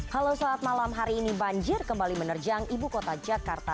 halo saat malam hari ini banjir kembali menerjang ibu kota jakarta